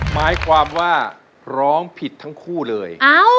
หมายความว่าร้องผิดทั้งคู่เลย